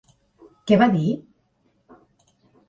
Què va dir?